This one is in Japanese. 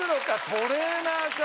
トレーナーか。